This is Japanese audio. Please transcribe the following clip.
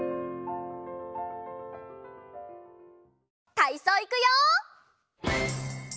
たいそういくよ！